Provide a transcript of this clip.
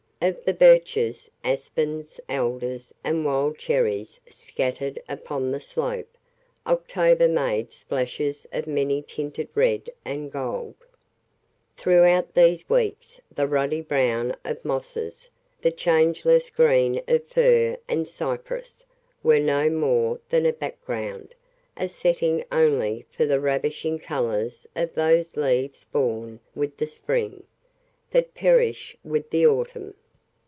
Of the birches, aspens, alders and wild cherries scattered upon the slope, October made splashes of many tinted red and gold. Throughout these weeks the ruddy brown of mosses, the changeless green of fir and cypress, were no more than a background, a setting only for the ravishing colours of those leaves born with the spring, that perish with the autumn.